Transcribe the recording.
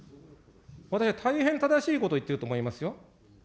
私は大変正しいことを言っていると思いますよ。